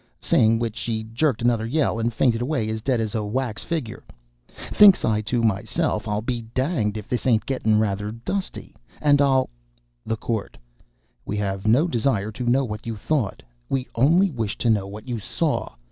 saying which, she jerked another yell and fainted away as dead as a wax figger. Thinks I to myself, I'll be danged if this ain't gettin' rather dusty, and I'll " THE COURT. "We have no desire to know what you thought; we only wish to know what you saw.